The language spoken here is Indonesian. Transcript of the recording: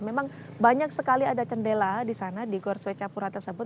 memang banyak sekali ada jendela di sana di gor swecapura tersebut